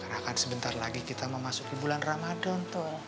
karena akan sebentar lagi kita memasuki bulan ramadan toh